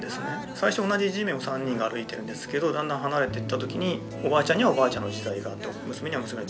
最初同じ地面を３人が歩いてるんですけどだんだん離れてった時におばあちゃんにはおばあちゃんの時代があって娘には娘の時代があるっていう。